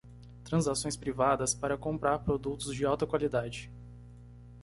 Transações privadas para comprar produtos de alta qualidade